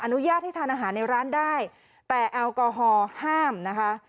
อนุญาตให้ทานอาหารในร้านได้แต่แอลกอฮอล์ห้ามนะคะ